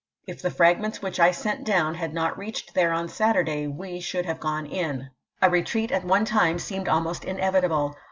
If the fragments which I sent down had not reached there on Saturday we should have gone in. A retreat at one time seemed almost inevitable.